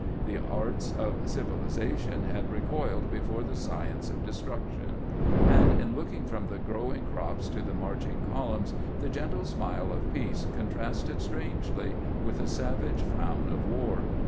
The arts of civilization had recoiled before the science of destruction ; and in looking from the growing crops to the marching columns, the gentle smile of peace con trasted strangely with the savage frown of war.